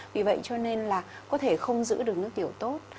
vì vậy cho nên là có thể không giữ được nước tiểu tốt